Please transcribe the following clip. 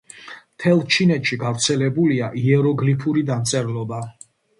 მთელ ჩინეთში გავრცელებულია იეროგლიფური დამწერლობა.